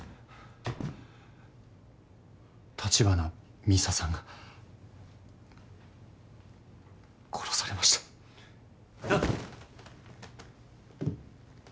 橘美沙さんが殺されましたえっ